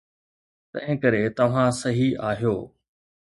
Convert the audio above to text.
تنهنڪري توهان صحيح آهيو.